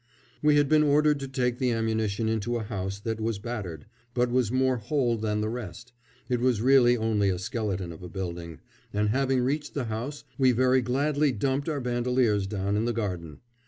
We had been ordered to take the ammunition into a house that was battered, but was more whole than the rest it was really only a skeleton of a building and having reached the house we very gladly dumped our bandoliers down in the garden.